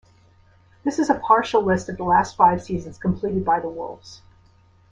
This is a partial list of the last five seasons completed by the Wolves.